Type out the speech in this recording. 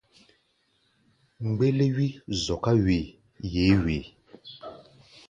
Mgbéléwi zɔká wee, yeé wee.